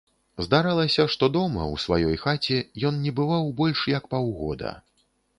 Здаралася, што дома, у сваёй хаце, ён не бываў больш як паўгода.